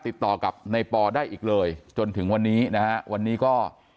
ติดต่อกับในปอได้อีกเลยจนถึงวันนี้นะฮะวันนี้ก็